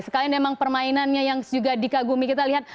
sekalian memang permainannya yang juga dikagumi kita lihat